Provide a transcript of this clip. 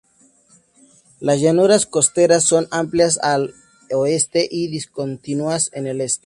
Las llanuras costeras son amplias en el oeste y discontinuas en el este.